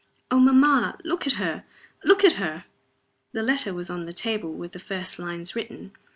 "Oh, mamma! Look at her! look at her!" The letter was on the table with the first lines written.